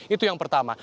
itu yang pertama